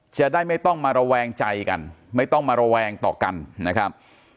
จะได้ไม่ต้องมาระแวงใจกันไม่ต้องมาระแวงต่อกันนะครับ